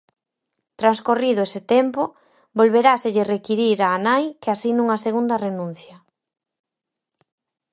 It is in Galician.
Transcorrido ese tempo, volveráselle requirir á nai que asine unha segunda renuncia.